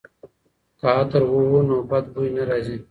که عطر ووهو نو بد بوی نه راځي.